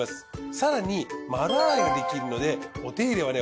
更に丸洗いができるのでお手入れはね